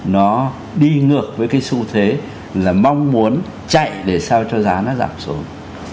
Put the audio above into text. nó đi ngược với cái xu thế là mong muốn chạy để sao cho giá nó giảm xuống